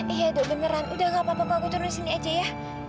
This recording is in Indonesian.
iya dok beneran udah nggak apa apa kok aku turun di sini aja ya